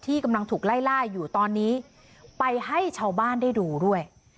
กำลังถูกไล่ล่าอยู่ตอนนี้ไปให้ชาวบ้านได้ดูด้วย